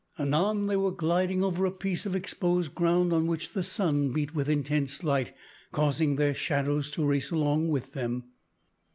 Anon they were gliding over a piece of exposed ground on which the sun beat with intense light, causing their shadows to race along with them.